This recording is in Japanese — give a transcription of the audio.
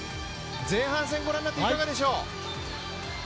前半戦、ご覧になって、いかがでしょう？